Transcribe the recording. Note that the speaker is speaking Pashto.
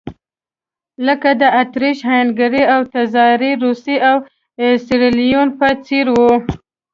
لکه د اتریش-هنګري او تزاري روسیې او سیریلیون په څېر وو.